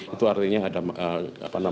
itu artinya ada apa namanya